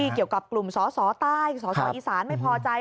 เกี่ยวกับกลุ่มศาลใต้ศาลอีสานไม่พอใจ